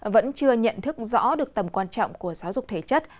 vẫn chưa nhận thức rõ được tầm quan trọng của giáo dục thể chất